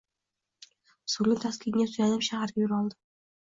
So‘nggi taskinga suyanib shaharga yo‘l oldi.